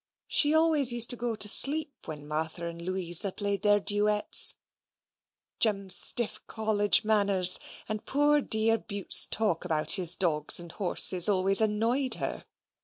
"She always used to go to sleep when Martha and Louisa played their duets. Jim's stiff college manners and poor dear Bute's talk about his dogs and horses always annoyed her.